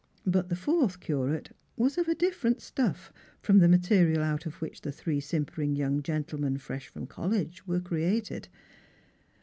But the fourth curate was of a different stuff from the material out of which the three sim pering young gentlemen fresh from college were created.